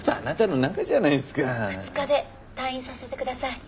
２日で退院させてください。